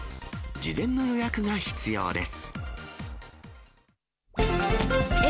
事前の予約が必要です。